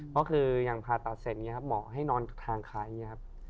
เพราะคืออย่างผ่าตัดเสร็จเนี่ยครับหมอให้นอนทางคลายเนี่ยครับ